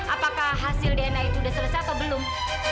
apakah hasil dna itu sudah selesai atau belum